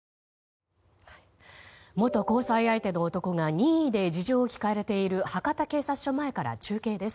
元交際相手の男が任意で事情を聴かれている博多警察署前から中継です。